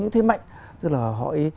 thế mạnh tức là họ